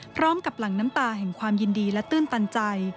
พร้อมกับหลังน้ำตาแห่งความยินดีและตื่นตันใจ